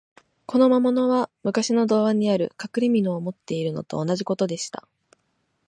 この魔物は、むかしの童話にある、かくれみのを持っているのと同じことでした。